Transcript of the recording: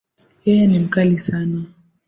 Yeye ni mkali sana